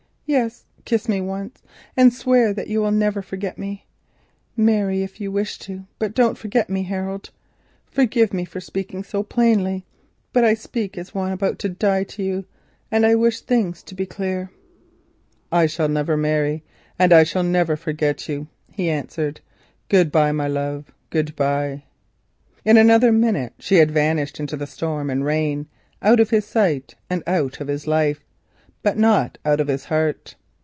Yes, kiss me once and swear that you will never forget me. Marry if you wish to; but don't forget me, Harold. Forgive me for speaking so plainly, but I speak as one about to die to you, and I wish things to be clear." "I shall never marry and I shall never forget you," he answered. "Good bye, my love, good bye!" In another minute she had vanished into the storm and rain, out of his sight and out of his life, but not out of his heart.